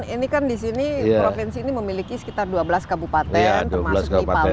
ini kan di sini provinsi ini memiliki sekitar dua belas kabupaten termasuk di palu